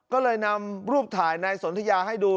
ก็เลยนำรูปถ่ายนายสนทยาให้ดู